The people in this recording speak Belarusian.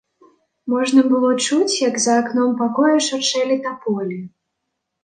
Можна было чуць, як за акном пакоя шуршэлі таполі.